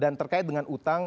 dan terkait dengan utang